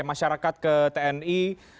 masyarakat ke tni